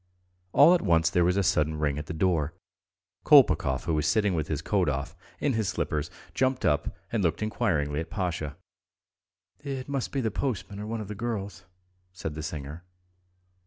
All at once there was a sudden ring at the door. Kolpakov, who was sitting with his coat off, in his slippers, jumped up and looked inquiringly at Pasha. "It must be the postman or one of the girls," said the singer.